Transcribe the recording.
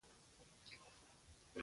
خو ډګروال دادالله هېڅ ونه ویل.